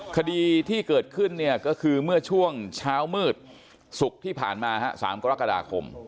คดีที่เกิดขึ้นเนี่ยก็คือเมื่อช่วงเช้ามืดศุกร์ที่ผ่านมา๓กรกฎาคม